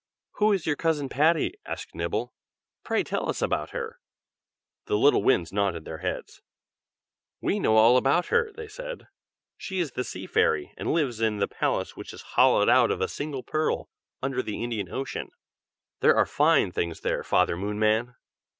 "Who is your cousin Patty?" asked Nibble. "Pray tell us about her." The little Winds nodded their heads. "We know all about her!" they said. "She is the Sea Fairy, and lives in the palace which is hollowed out of a single pearl, under the Indian Ocean. There are fine things there, Father Moonman!"